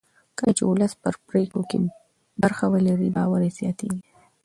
کله چې ولس په پرېکړو کې برخه ولري باور زیاتېږي